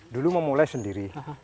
dulu memulai sendiri